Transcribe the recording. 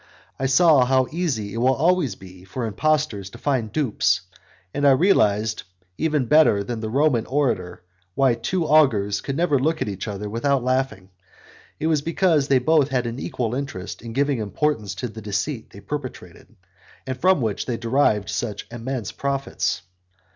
I saw how easy it will always be for impostors to find dupes, and I realized, even better than the Roman orator, why two augurs could never look at each other without laughing; it was because they had both an equal interest in giving importance to the deceit they perpetrated, and from which they derived such immense profits.